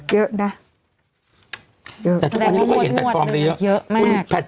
เยอะนะเยอะแต่ทุกคนเนี้ยไม่ค่อยเห็นแพลตฟอร์มเลยเยอะแม่ง